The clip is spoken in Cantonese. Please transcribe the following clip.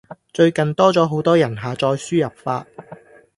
最近多咗好多人下載輸入法